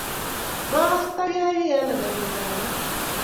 Makase takiyay ki eng lakatut ab ra